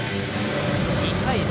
２対０。